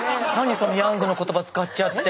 そのヤングの言葉使っちゃって。